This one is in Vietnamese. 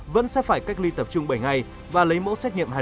vẫn sẽ phải cách ly tập trung bảy ngày và lấy mẫu xét nghiệm hai lần